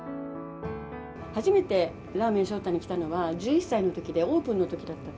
初めてらーめん翔太に来たのは１１歳のときで、オープンのときだったと。